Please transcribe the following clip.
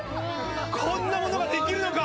こんなものが出来るのか！